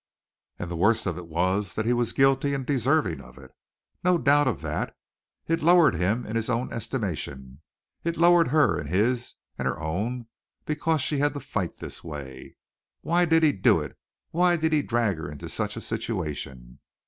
And the worst of it was that he was guilty and deserving of it. No doubt of that. It lowered him in his own estimation. It lowered her in his and her own because she had to fight this way. Why did he do it? Why did he drag her into such a situation?